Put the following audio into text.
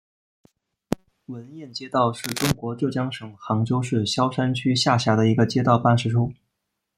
闻堰街道是中国浙江省杭州市萧山区下辖的一个街道办事处。